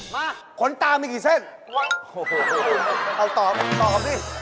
มาขนตามีกี่เส้นโอ้โหเอาตอบตอบดิ